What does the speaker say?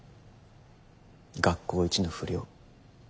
学校一の不良。